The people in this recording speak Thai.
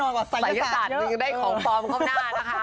ใช่เพราะว่าสายศาสตร์มีก็ได้ของฟอมข้างหน้านะคะ